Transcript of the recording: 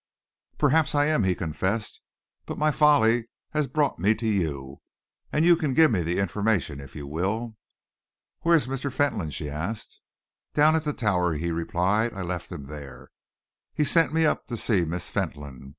"Perhaps I am," he confessed, "but my folly has brought me to you, and you can give me the information if you will." "Where is Mr. Fentolin?" she asked. "Down at the Tower," he replied. "I left him there. He sent me up to see Miss Fentolin.